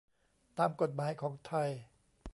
ตามกฎหมายของไทย